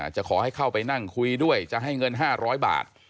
จะขอให้เข้าไปนั่งคุยด้วยจะให้เงิน๕๐๐บาท